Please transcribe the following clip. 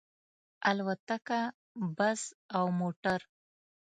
الوتکه، بس او موټر